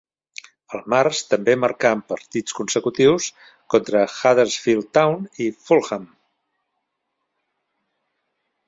Al març, també marcar en partits consecutius contra Huddersfield Town i Fulham.